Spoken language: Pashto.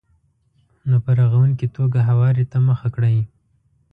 نو په رغونکې توګه هواري ته مخه کړئ.